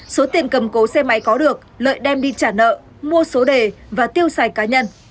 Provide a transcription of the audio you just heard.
số tiền cầm cố xe máy có được lợi đem đi trả nợ mua số đề và tiêu xài cá nhân